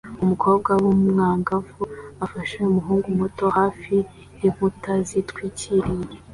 Umukobwa w'umwangavu afashe umuhungu muto hafi yinkuta zitwikiriye